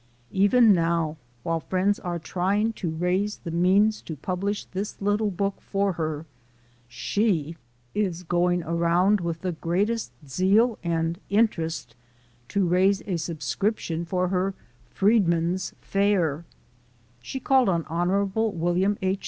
Even now, while friends are trying to raise the means to publish this little book for her, she is going around with the greatest zeal and interest to raise a subscription for her Freed men's Fair. She called on Hon. Wm. H.